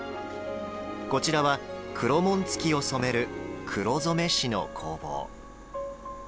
こちらは黒紋付を染める黒染師の工房。